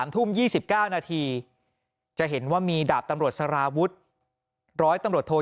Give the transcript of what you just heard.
ทุ่ม๒๙นาทีจะเห็นว่ามีดาบตำรวจสารวุฒิร้อยตำรวจโท